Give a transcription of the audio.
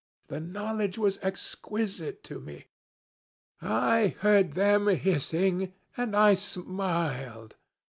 The knowledge was exquisite to me. I heard them hissing, and I smiled.